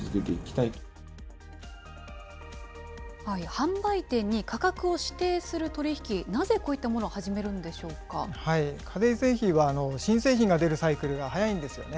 販売店に価格を指定する取り引き、なぜこういったものを始め家電製品は、新製品が出るサイクルが早いんですよね。